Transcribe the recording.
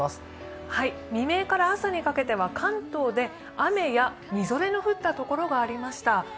未明から朝にかけては関東で雨やみぞれの降ったところがありました。